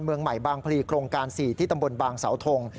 เมืองใหม่บางพลีโครงการ๔ที่ตำบลบางเสาทง